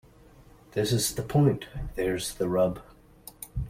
This is the point. There's the rub.